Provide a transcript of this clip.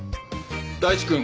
大地くん